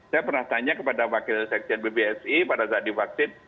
saya pernah tanya kepada wakil seksian bbsi pada saat diwaksin